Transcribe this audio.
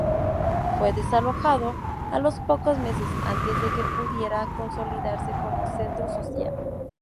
Fue desalojado a los pocos meses, antes de que pudiera consolidarse como centro social.